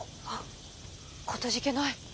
あっかたじけない。